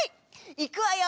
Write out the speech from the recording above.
いくわよ